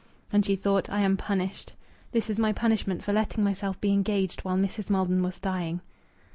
And she thought: "I am punished. This is my punishment for letting myself be engaged while Mrs. Maldon was dying."